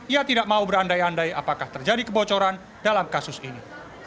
ia tidak mau berandai andai apakah terjadi kebocoran dalam kasus ini